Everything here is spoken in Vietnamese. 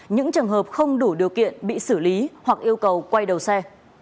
những trường hợp không đủ điều kiện bị xử lý hoặc yêu cầu quay đầu xe